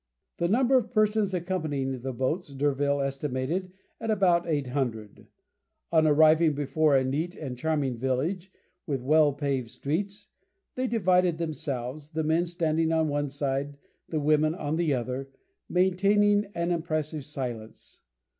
The number of persons accompanying the boats D'Urville estimated at about 800. On arriving before a neat and charming village, with well paved streets, they divided themselves, the men standing on one side, the women on the other, maintaining an impressive silence.